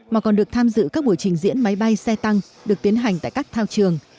mà còn được tham dự các buổi trình diễn máy bay xe tăng được tiến hành tại các thao trường